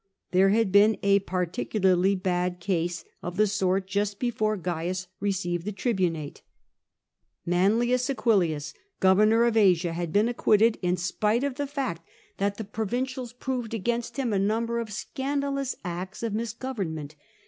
There had been a particularly bad case of the sort just before Cains received the tribunate. M'AquDius, governor of Asia, had been acquitted, in spite of the fact that the provincials THE EQUESTRIAN JURIES 65 proved against him a number of scandalous acts of mis government.